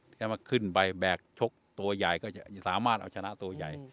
แค่ว่าขึ้นไปแบกชกตัวใหญ่ก็จะสามารถเอาชนะตัวใหญ่